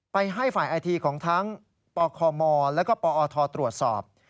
ให้ฝ่ายไอทีของทั้งปคมแล้วก็ปอทตรวจสอบ